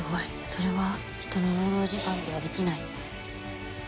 それは人の労働時間ではできない。